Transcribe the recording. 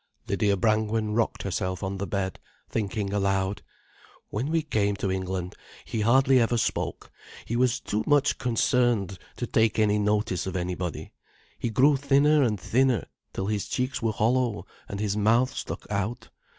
Lydia Brangwen rocked herself on the bed, thinking aloud. "When we came to England, he hardly ever spoke, he was too much concerned to take any notice of anybody. He grew thinner and thinner, till his cheeks were hollow and his mouth stuck out.